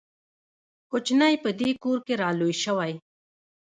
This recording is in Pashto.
کوچنی په دې کور کې را لوی شوی.